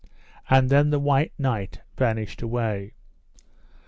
And then the White Knight vanished away.